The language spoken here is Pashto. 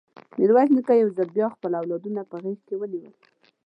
ميرويس نيکه يو ځل بيا خپل اولادونه په غېږ کې ونيول.